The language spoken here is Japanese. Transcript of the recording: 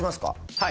はい。